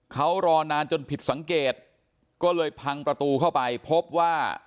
เขารอนานจนผิดสังเกตก็เลยพังประตูเข้าไปพบว่า